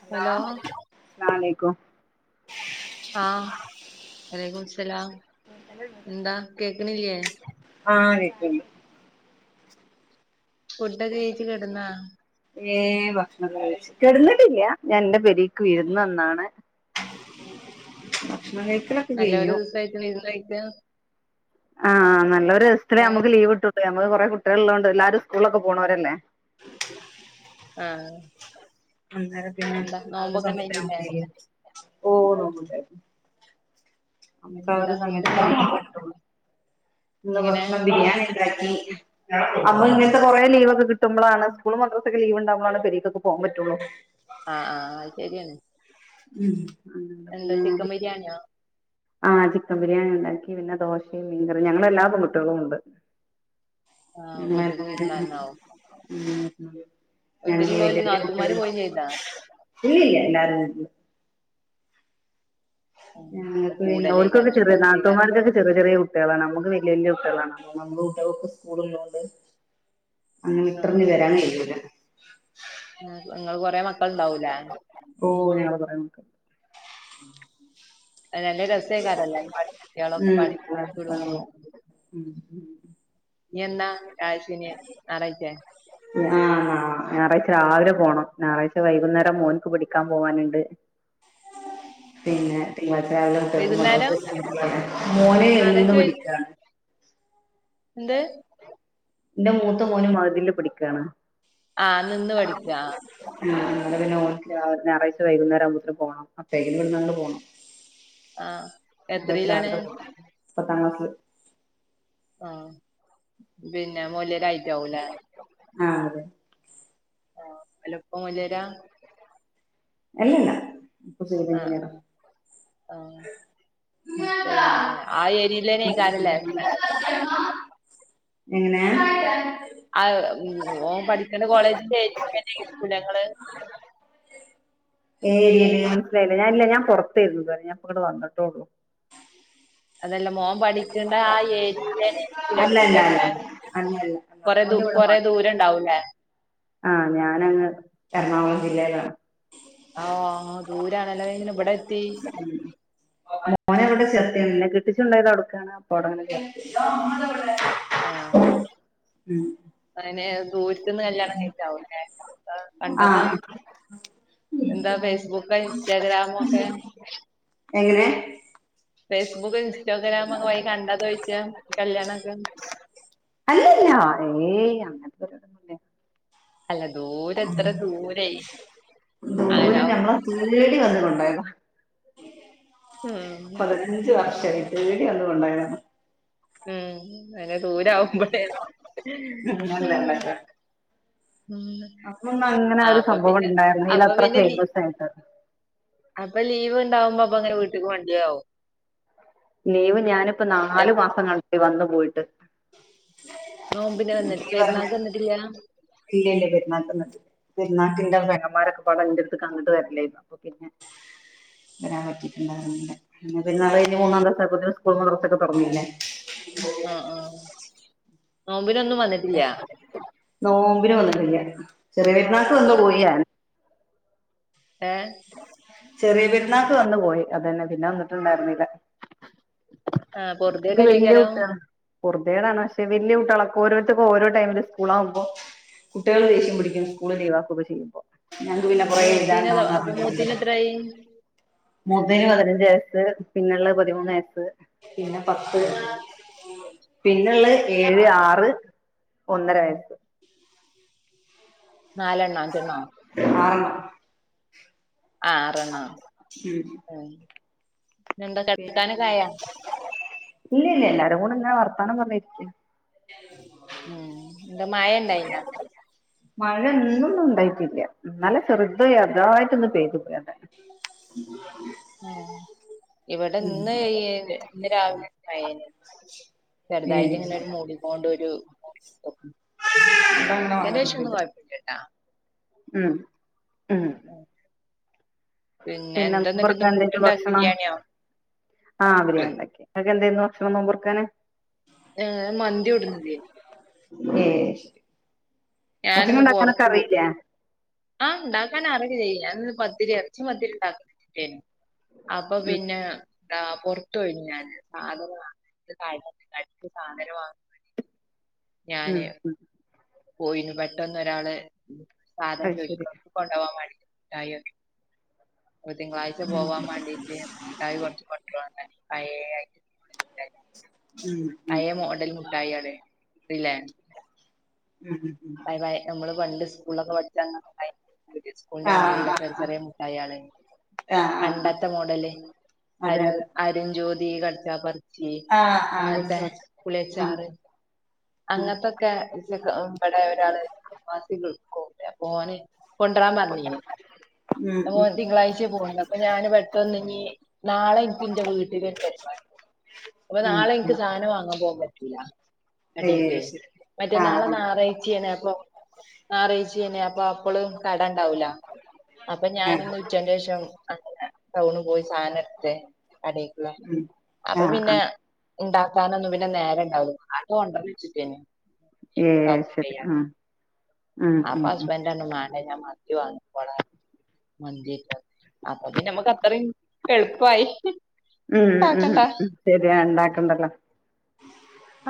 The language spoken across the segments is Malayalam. ഹലോ അസ്ലലമലേക്കും ആഹ് വലൈക്കം സ്ലാം എന്താ കേക്കണില്ലയേ ആഹ് കേക്കുന്നു ഫുഡൊക്കെ കഴിച്ച് കിടന്നാ ഏഹ് ഭക്ഷണം കഴിച്ചിട്ട് കിടന്ട്ടല്ല ഞാൻ എൻന്റെ പുരലേക്ക് വിരന്ന് വന്നാണ് ഭക്ഷണം കഴിക്കലൊക്കെ നല്ല ഒരു കഴിഞ്ഞു ദിവസയിട്ട് വിരുന്ത് പോയേക്കുവാ ആഹ് നല്ലൊരു ദിവസത്തിലെ ഏഹ് നമുക്ക് ലീവ് കിട്ടു നമ്മള് കുറെ കുട്ടികളുള്ളോണ്ട് എല്ലാരും സ്കൂളൊക്കെ പോണവരല്ലേ ആഹ് അന്നേര പിന്നെ എന്താ ആ ഒരു നോമ്പൊക്കെ സമയത്ത് ഉണ്ടായിനില്ലേ നമുക്ക് ഓ നമക്ക് അവ എന്താ ഒരു സമയത്ത് ഫുഡ് ഉണ്ടാക്കി [unintelligible] നിന്ന എങ്ങനെ ഭക്ഷണം ബിരിയാണാക്ക അപ്പൊ ഇങ്ങനത്തെ കൊറെ ലവൊക്കെ കിട്ടുമ്പോഴാണ് സ്കൂള് മദ്രാസൊക്കെ ലീവ്ണ്ടാവുമ്പോഴാണ് പരേ കൊക്കെ പോകാൻ പറ്റും റ്റുള്ള [unintelligible] ആഹ ആഹ് അത് ശെരിയാണ് ഉം എന്താ ചിക്കൻ ബിരിയാണിയാ ആഹ ചിക്കൻ ബിരിയാണി ഉണ്ടാക്കി പിന്നെ ദോശയും മീൻകറിയ ഞങ്ങള എല്ലാ പെൺകുട്ടികളും ഉണ്ട് ആഹ് ഉല്ല വീട്ടിക്ക് വിരുന്നാന്നാവും ഉ [inaudible] ഞങ്ങള് വീട്ടിലുള്ളോല് വല്യ നാത്തൂമാര് പോയിം ചെയ്താ കുട്ടികളുംഇല്ലല്ല എല്ലാരും ഉം. ആ പിന്നെ കൂടലേക്കാരം അവർക്കൊക്കെ നല്ല ചെറിയ രസേക്കാരം നാത്തൂന്മാർക്കൊക്കെ ചെറിയ ചെറിയ കുട്ടികളാണ് നമുക്ക് വലിയ വലിയ കുട്ടികളണ് നമുടെ കുട്ടികൾക്ക് സ്കൂൾ ള്ളത് കൊണ്ട് അങ്ങനെഇട്ടെറിഞ്ഞ വരാൻ കഴിയുല്ല നിങ്ങൾ കൊറെ മക്കൾ ഇണ്ടാവൂലേ ഓ ഞങ്ങൾ കൊറെ മക്കളുണ്ട് അത് നല്ല രസേക്കാരം എല്ലാരും പാടെ കുട്ടികളൊക്കെ ഉം പാടെ ആ കൂടുമ്പോ ഉം എന്താ കാഴ്ശന് നി റയിച്ചേ [unintelligible] ആഹ ആ ഞായറാഴ്ച രാവിലെ പോകണം ഞായറാഴ്ച വൈകുന്നേരം മോൻക്ക് പടിക്കാൻ പോവാനുണ്ട് [inaudible] പിന്നെ തിങ്കളഴ്ച രാവിലെട്ട വൈകുന്നേരം മോലെ ഒും ആറരക്ക് പിടിക്കാണ് എന്ത് എന്റെ മൂത്ത മോനും മഹദില് പടിക്കയാണ് ആഹ നിന്ന് പഠിക്ക ഉ അങ്ങെ പിന്നെ ഓ ഞായറാഴ്ച വൈകുന്നേം ആകുമ്പോത്തേ പോണം അപ്പേ വിട്ന്നങ്ങ് പോകണം ആ എത്രയിലാണ് അത് പത്താം ക്ലാസ്ില് ആഹ പിന്നെ മുയല രായി ട്ടാവൂലേ ആ അതെ ആ വലപ്പ മുയലാരാ അല്ലല്ല കുസബ ഇഞ്ചി നിയറ [unintelligible] ആഹ ആ ഏരിയയിലേന്നെക്കാനല്ലേ എങ്ങനെ ആ ഓ പഠിക്കുന്ന കോളേജിന്റെ [inaudible] മനസ്സിലായില്ല ഞാനല്ല ഞാൻ പുറത്തുന്നത ഞാൻ ഇങ്ങടെ വന്നിട്ടോള്ളൂ അതെല്ല മോൻ പഠിക്കണ്ട ആ ഏരിയയിലന്നെരീക്കല അല്ല അല്ല വീടൊക്ക അല്ല അല്ല അല്ല അല്ല കൊറ ദൂ കൊറെ ദൂരം ഉണ്ടാവൂലേ ആഹ ഞാനങ്ങ് എറണാകുളം ജില്ലയിലാണ് ആഹ ദൂരണല്ലേപിന്നെങ്ങനെ ഇവിടെ എത്തി മോനെ അവിടെ ചെർത്തക്കണ് എന്നെ കിട്ടിച്ചുണ്ടായത് അടക്കാണ് അപ്പ അടങ്ങനെ ചേർ ആഹ ഉം അനെ ദൂരിത്തന്ന് കല്യാണം കഴിചതവൂല്ലെ കണ്ടതാ ആഹ് എന്താ ഫേസ്ബുക്ക് ഇൻസ്റ്റാഗ്രാം ഒക്കെ എങ്ങനെ ഫേസ്ബുക്ക് ഇൻസ്റ്റാഗ്രാം ഒക്കെ വഴികണ്ടത ചോദിച്ച കല്യാണംക്കെ അല്ലല്ല ഏ അല്ല ദൂരെ എത്ര ദൂരെ എന്തല അങ്ങനാവും ഞമ്മള തേടി വന്നതാ ഉം പതിനഞ്ച് വർഷ ശരി പേടി ഒന്നും കൊണ്ടായാ ഉം ങ്ങനെ ദൂരവുമ്പൊഴേ ഉം അന്നൊന്നും അങ്ങനെ ആ ഒരു അപ്പ സംഭവം പിന്നെ ഉണ്ടായിരുന്നില്ല അപ്പ അത്ര പിന്നെ ലി ഫേമസ് ആയിട്ട് അപ്പൊ ലീവ് ഉണ്ടാവുമ്പോ അപ്പ അങ്ങനെ വീട്ടിക്ക് മണ്ടിയാവും ലീവ് ഞാനിപ്പൊ നാലു എപ് മാസം [unintelligible] വന്നു പോയിട്ട് നോമ്പിന് വന്നിട്ട് പെരുന്നാക്ക് വന്നിട്ടില്ല ഇല്ലല്ല പെരുന്നാക്ക് വന്നിട്ടില്ല പെരുന്ന ഇന്റെ പെങ്ങന്മാരൊക്കെപ്പാടെ ഇന്റട്ത്ക്ക് അങ്ങട്ട് വരലെര്ന്നു വരാൻ പറ്റിട്ടുണ്ടായിരുന്നില്ല. പിന്നെ പെരുന്നാള് കഴിഞ്ഞ് മൂന്നാം ദിവസായപ്പത്തിന് സ്കൂളും മദ്രസും ഒക്കെ തൊറന്നിലെ ആഹ് ആഹ് നോമ്പിന് വന്നിട്ടില്ല ചെറിയ പെരുന്നാൾക്ക്‌ വന്നു പൊറു പോയി ഞാൻ ഏ ചെറിയ പെരുന്നാൾക്ക് വന്നു പോയി അതന്നെ പിന്നെ വന്നിട്ടുണ്ടായിരുന്നില്ല ആഹ് പൊറുതികേടല്ലേക്കാരം പൊറുതികേടാണ് പക്ഷെ വല്യ കുട്ടികള ഓരോരുത്തർക്കും ഓരോ ടൈമില് സ്കൂളാകുമ്പോ കുട്ടികള് ദേഷ്യ ദേഷ്യം പിടിക്കാണ് സ്കൂള് ലീവാക്കൊക്കെ ചെയ്യുമ്പോ ഞങ്ങക്ക് പിന്നെ കൊറേ എഴുതാണ്ടാകും ന്ന്റഞ്ഞ് ത് ന് എത്രായി മൂത്തതിന് പതിനഞ്ച് വയസ്സ് പിന്നുള്ളത് പതിമൂന്ന് വയസ്സ് പിന്നെ പത്ത് ആ പിന്നെള്ളത് ആ ഏഴ് ആ ആറ് ഒന്നര വയസ്സ് നാലെണ്ണം അഞ്ചെണ്ണോ [inaudible] ആറണ്ണം ഉം എന്താ പിന്നെ കെടക്കാനൊക്കെ ആയോ ഇല്ല ഇല്ല എല്ലാരും കൂടെ ഇങ്ങനെ വർത്താനം പറഞ്ഞിരിക്ക ഉം എന്ത മയ ഇണ്ടായിനോ മഴ ഇന്നൊന്നും ഉണ്ടായിട്ടില്ല ഇന്നലെ ചെർത് ചെറുതായിട്ടൊന്ന് പെയ്തു പോയി അതന്നെ [inaudible] ആ ഇവിടെ ഇന്ന് ഇന്ന് രാവിലെ മഴേ നി ചെറുതായിട്ട് ഇങ്ങനെ ഒരു മൂടീങ്ങോണ്ട് ഒരു [unintelligible] ഉച്ചന്റെ ശംന്നും [unintelligible] ഉം ഉം പിന്നെ എന്താ എന്നിട്ട് ഇന്ന് ഫുഡ് നോമ്പർക്കാൻഎന്തെന്നു ഉണ്ടാക്കി ഭക്ഷണം ബിരിയാണിയോ ആഹ് ഉം. ബിരിയാണി ണ്ടാക്കി ഇങ്ങക്കെന്തെന്നു ഭക്ഷണം നോമ്പ ർക്കാന് ഏഹ് മന്തി കൊടുന്നുണ്ടെയിന്നു ഏഹ് ശരി ഭക്ഷണം ഞാനൊന്ന് ഉണ്ടാക്കാനൊക്കെ പുറത്തു പോയി അറിയില്ലേ ആഹ് ഇണ്ടാക്കാൻ അ റിം ക്കെ ചെയ്യും ഞാൻ ഇന്ന് പത്തിരി എർച്ചി പത്തിരി ണ്ടാക്കണം രതി ക്കേ നി അപ്പം ഉം പിന്നെ എന്താ പൊറത്ത് പോയി നി ഞാൻ സാധനം വാങ്ങാൻ [inaudible] ഉം ഉം പോയിന്നു. പെട്ടെന്ന് ഒരാള് സാധനം അത് ശരി ചോയ്ച്ച്ക്ക കൊണ്ടൊകാൻ വേണ്ടീട്ട് മുട്ടായി ഒകെ തിങ്കളാഴ്ച പോവാൻ വേണ്ടീട്ട് മുട്ടായി കുറച്ച് കൊണ്ട രോ റഞ്ഞാട്ട് പയേ ഐറ്റം മുട്ടായികള് ഉം ഉം പയേ മോഡൽ മുട്ടായികള് റിലാന്റ് ഉം ഉം ഉം പയെ പയേ നമ്മള് പണ്ട് സ്കൂളിലൊക്കെ പഠിച്ച അന്ന് [unintelligible] സ്കൂൾന്റെ ആഹ് മുന്നിലുള്ള ചെറിയ ആഹ് ചെറിയ മുട്ടായി യാള് ആഹ് ആഹ് ആഹ് ആഹ് പണ്ടത്തെ മോഡല് അതെ അരുൺ അതെ അരുൺജ്യോതി കടിച്ചാ പറി ച്ചി ആഹ് ആഹ് വിളിച്ചു അങ്ങൻത്തെ വിളിച്ചു ആഹ് പുളിയച്ചാറ് ആഹ് അങ്ങനത്തൊക്കെ ഇമ്പടെ ഒരാള് [unintelligible] അപ്പം ഓന് കൊണ്ടറാൻ പറഞ്ഞീ നി ഉം ഉം മോൻ തിങ്കളാഴ്ച്ച പോണേഅപ്പൊ ഞാന് പെട്ടന്ന് ഇഞ്ഞ്നാളെ ഇൻക്ക് ഇന്റെ വീട്ടില്ഒരു പര്പാടി അപ്പൊ ഉം നാളെ ഉം എനിക്ക് സാധനം വാങ്ങാൻ പോകാൻ പറ്റൂല ഏഹ് അടിയക്കെ ശരി ആഹ് മറ്റേന്നാള്െ ആഹ് ഞറാഴ്ച്ചയണെ അപ്പൊ ഞായറാഴ്ച്ച തണെ അപ്പൊ അപ്പള് കടണ്ടാവൂല അപ്പൊ ആഹ് ഞാനൊന്ന് ഉച്ചന്റെ ശേഷംന ടൗണ് പോയി സാധനം എടുട്ട കടക്കുള്ള ഉം അപ്പൊ ആഹ് പിന്നെ ആഹ് ഉണ്ടാക്കാനൊന്നും പിന്നെ നേരെ ഉണ്ടാവു അത്ുകൊണ്ടന്ന് വെച്ചിട്ടെ ഏഹ് കാാക്ക ശരി ആഹ് ഉം ഉം ആപ്പസ് ഉം ബന്ണ്ടണ മ ാണ് പ മന്തില്ല അപ്പ പിന്ന നമ്മക്ക് അത്രയും എളുപ്പമായി ഉം ഉ ഉം ഉണ്ടാക്കണ്ട ഉ ശരിയാ ഉണ്ടാക്കണ്ടല്ലോ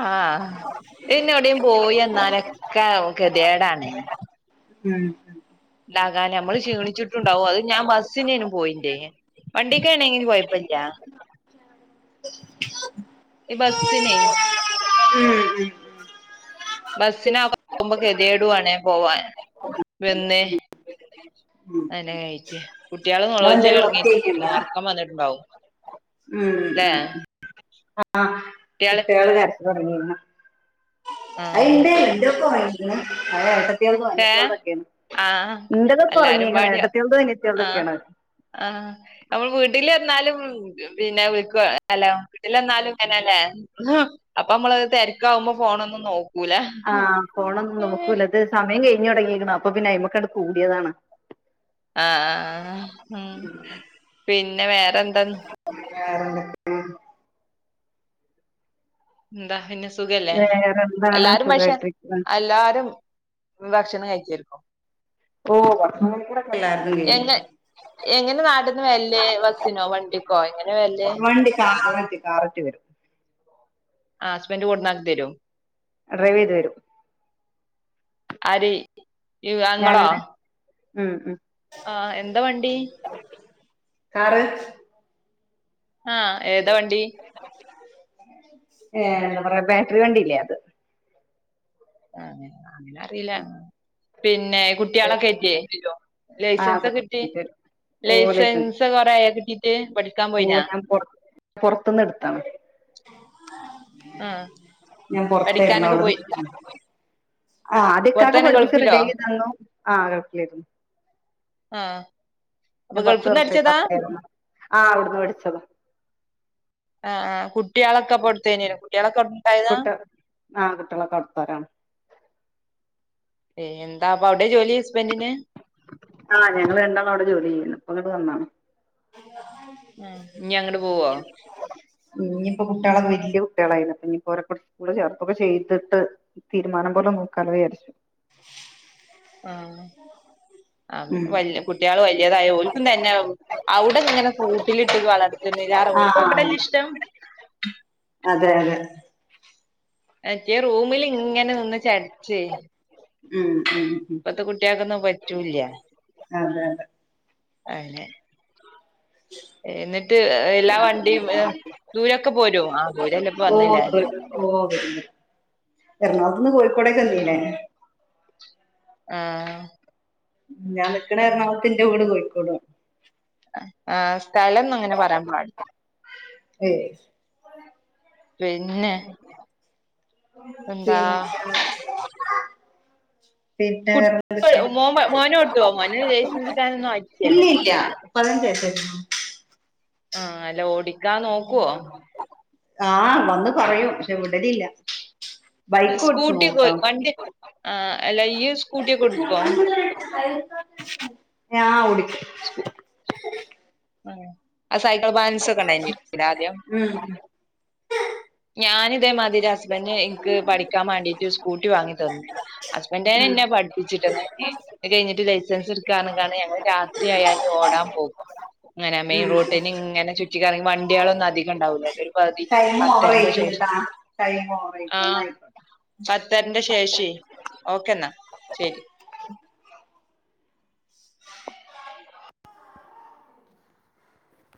ആഹ ഇന്നോടയും പോയി എന്ന എന്നാലൊക്കെ ഗതിേടണേ ഉം ഉം ണ്ടാകാൻ നമ്മള് ക്ഷീണിച്ചിട്ടുണ്ടാാവോ അത് ഞാൻ ബസ്സിനേനും പോയിന്റെേ വണ്ടിക്ക് വണെങ്കും കൊഴപ്പില്ല എ ബസ്സിിന ഉം ഉം ബസ്സിനാക പോകുമ്പോ ഗെതിയടുവാണേ പോവാൻ വന്നേ ഉം അെ കറ്റ കുട്ടികള നളോിച്ചാല നിങ്ങളെന്തേലും ഇറങ്ങി വർക്ക് ഉറക്കം വന്നിട്ടുണ്ടാവും ഉ ല്ലേ ഉ ആ കുട്ടികള് രച്ച തുടങ്ങിരുന്നു അന്റെ ആഹ് ഇന്റെൊക്കെ വങ്ങുന്നു അ േത് ഏഹ് വറ്റേറതൊക്കെയാണ് ആഹ് ഇന്റതക്കെ എല്ലാരും ഇറങ്ങീങ്ങ ഏട്ടത്തിുത് വ ചേറുതൊക്കെയണ ആഹ നമ്മൾ വീട്ടില ും പിന്നെല്ല വട്ടില എന്നാലും ഇങ്ങനല്ലേ അപ്പ നമ്മള് രിക്കാവുമോ ഫോണ ഒന്ന് നോ ആഹ് പോണം നോക്കൂല്ലത് സമയം കഴിഞ്ഞഞ് തുടങ്ങിരിക്കണം അപ്പൊ പിന്നെ അ്മക്കാണ് കൂടിയതാണ് ആഹ ഉ പിന്നെ വേറെന്താന്ന വേറെണ്ട എന്താ പിന്നെ സുഖല്ലേ വേറെന്തൊക്കെ? വേറെന്താണ് എല്ലാരും പശ സുഖായിട്ടിരിക്ക്ണ് എല്ലാരും ഭക്ഷണം കഴിച്ചരിക്കോ ഓ വർത്ത എങ്ങ എങ്ങനെ നാടിന്ന് വല്ലേ ബസിനോ വണ്ടിക്കോ എങ്ങനെ വല്ലേ വണ്ടി കാ മറ്റേ കാററ്റ് വരും ആ ഹസ്ബൻഡറ് കൊടന്നക്ക് തരോ ഡ്രൈവ് ചെയ്ത് വരും അരി അങ്ങളോ ഞാനെന്നെ ഉം ഉം ആഹ എന്താ വണ്ടി കാറ് ആഹ ഏതാ വണ്ടി ഏ എന്താ പറയാ ബാറ്ററി വണ്ടല്ലേ അത് അ അങ്ങനെ അറിയില്ല പിന്നെ പിന്നെ കുട്ടികളൊക്കെ കറ്റിയല്ലോ ആ ലൈസൻസ് ഒക്കെ കിട്ടും കിട്ടി കിട്ടും ഓ ലൈസൻസ് ലൈസൻസ കുറക്കട്ട ഓ ഞാൻറ പുൊറത്തന്ന് എടുത്താണ് ആഹ് ഞാൻ പുൊറത്തായിരുന്നു പഠിക്കാനൊക്കെ പോയി അവിടുന്ന് ആഹ അതൊക്കാകെ പുറത്തന്നെ പഠിപ്പിച്ചറി ഡ ഗൾഫിലോ തന്നു ആക്കരുന്നു ആഹ ഞാൻ പത്ത വർഷമായിട്ട് അട്ടയായിരുന്നു ആ് അവിടുന്ന് വിടിച്ചതോ ആ ആ കു കുട്ടി അളക്കപ്പെടുത്തന കുട്ടി അളക്കട്ട കായതാ കുട്ട ആ കുട്ടികളൊക്കെ അവിടുത്തോരാണ് ഏയ് എന്താ അപ്പൊ അവിടെ ജോലി ഹസ്ബൻഡിന് ആഹ ഞങ്ങള് രണ്ടാളും അവിടെ ജോലി ചെയ്യാണ് ഇ പ്പൊ ഇങ്ങോട്ട് വന്നതാണ് ആഹ് ഇനി അങ്ങോട്ട് പോവോ ഇഞ്ഞിപ്പോ കുട്ടികള വല്യ കുട്ടികളായില്ലേ ഇഞ്ഞിപ്പോ സ്കൂള് ചേർത്തൊക്കെ ചെയ്തിട്ട് തീരുമാനം നോക്കാലോവിചാരിച്ചു ആ ഹ അ ഉം കുട്ടികൾ വല്യതായ ഓൽക്കും തന്നെ അവിടെ ഇങ്ങനെ കൂട്ടിലിട്ട് വളർത്തുന്നില്ല ഓൽക്ക് ആഹ് ഇവിടെല്ല ഇഷ്ടം അതെ അതെ മറ്റേ റൂമിൽ ഇങ്ങനെ നിന്ന് ചടിചെ ഉം ഉം ഉം ഇപ്പത്ത് കുട്ടികൾക്കൊന്നും പറ്റൂല്ല അതെ അതെ അയന്നെ എന്നിട്ട് എല്ലാ വണ്ടിദൂരൊക്കെ പോരൊ ആ ദൂരെല്ലാം ഇപ്പോ വന്നില്ലേ എറണാകുളത്തന്ന് കോഴിക്കോടേക്ക്‌ വന്നീല്ലേ ആഹ ഞാൻ നിക്കണ എറണാകുളത്ത് എന്റെ വീട് കോഴിക്കോടാ ആ സ്ഥലംഒന്നും അങ്ങനെ പറയാൻ പാടി ഏയ് പിന്നെ എന്താ പിന്നേ പിന്നെ കുട്ടി വേറെന്തൊക്കെ മോ മോന് ഓട്ടുവോ മോന് ലൈസൻസ് കിട്ടാനൊന്നും ആയിട്ടില്ലല്ലോ ഇല്ലല്ല പതിനഞ്ചു [inaudible] ആഹ് അല്ല ഓടിക്കാൻ നോക്കുവോ ആഹ വന്ന് പറയും പക്ഷെ വിടലില്ല ബൈക്ക് ഓടിച്ചു പോകുട്ടോ ആഹ അല്ല ഇ യ്യ് സ്കൂട്ടിയൊക്കെ ഓടിക്കോ ഞാൻ ഓടിക്കും [inaudible] ആ ആ സൈക്കിൾ ബാലൻസ് ഒക്കെ ഉണ്ടായിന്നിരിക്കുംല്ലേ ആദ്യം ഉം ഞാന് അതേമാതിരി ഹസ്ബന്റ് എനിക്ക് പഠിക്കാൻ വേണ്ടിട്ട് സ്കൂട്ടി വാങ്ങി തന്നു ഹസ്ബന്റ് ഉം എന്നെ പഠിപ്പിച്ചിട്ട കഴിഞ്ഞിട്ട് ലൈസൻസ് എടുക്കാന്നറിഞ്ഞിങ്ങാണ്ട് ഞങ്ങൾ രാത്രിയായാലും ഓടാൻ പോകും അങ്ങനെ മെയിൻ ഉം റോട്ടിന് ഇങ്ങനെ ചുറ്റിക്ക കറങ്ങി വണ്ടികളൊന്നും അധികംണ്ടാവില്ല ഒരു പ ടൈം പത്തരന്റെ ഓവറായിരിക്കും ശേഷം ട്ടാ ടൈം ഓവറായിരിക്കും ആഹ ന്നാ ആയിക്കോട്ടെ പത്തരന്റെ ശേഷം ഓക്കേ എന്നാ ശരി [inaudible] [unintelligible]